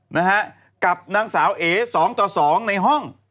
นะฮะกับนางสาวเอ๋สองต่อสองในห้อง